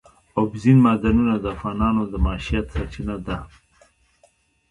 اوبزین معدنونه د افغانانو د معیشت سرچینه ده.